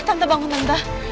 tante bangun tante